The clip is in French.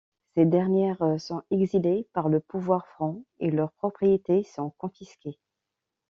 Ces dernières sont exilées par le pouvoir franc et leurs propriétés sont confisquées.